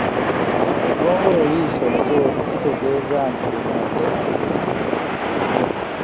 Eggongolo liyise mu kyoto kitegeeza nti lumonde asiridde.